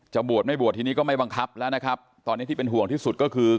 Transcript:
บวชไม่บวชทีนี้ก็ไม่บังคับแล้วนะครับตอนนี้ที่เป็นห่วงที่สุดก็คือ